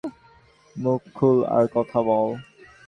মুখ খুল আর কথা বল।